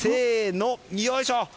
よいしょ！